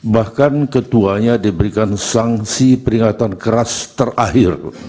bahkan ketuanya diberikan sanksi peringatan keras terakhir